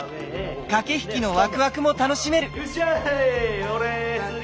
駆け引きのワクワクも楽しめる。